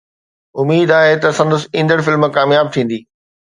اميد آهي ته سندس ايندڙ فلم ڪامياب ٿيندي